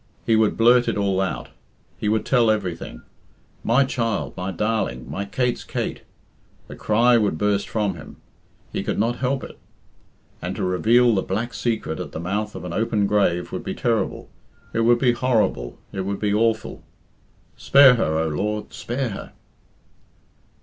He would blurt it all out; he would tell everything. "My child! my darling! my Kate's Kate!" The cry would burst from him. He could not help it. And to reveal the black secret at the mouth of an open grave would be terrible, it would be horrible, it would be awful, "Spare her, O Lord, spare her!"